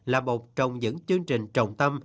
là một trong những chương trình trọng tâm